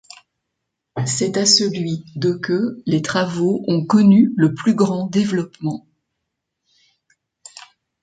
C'est à celui de que les travaux ont connu le plus grand développement.